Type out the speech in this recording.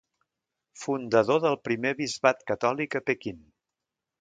Fundador del primer bisbat catòlic a Pequín.